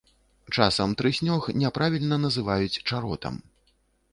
Часам трыснёг няправільна называюць чаротам.